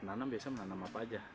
menanam biasanya menanam apa aja